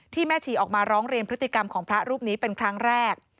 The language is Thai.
แม่ชีออกมาร้องเรียนพฤติกรรมของพระรูปนี้เป็นครั้งแรก